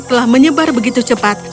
telah menyebar begitu cepat